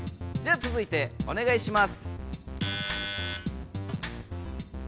つづいてお願いします。